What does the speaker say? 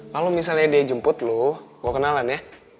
kalau misalnya dia jemput loh gue kenalan ya